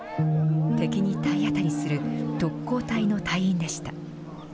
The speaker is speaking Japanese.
敵に体当たりする特攻隊の隊員でした。